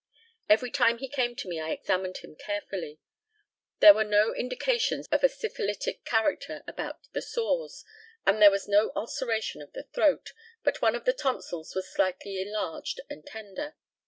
Every time he came to me I examined him carefully. There were no indications of a syphilitic character about the sores, and there was no ulceration of the throat, but one of the tonsils was slightly enlarged and tender.